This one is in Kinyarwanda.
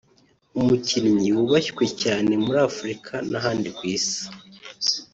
umukinnyi wubashywe cyane muri Afurika n’ahandi ku isi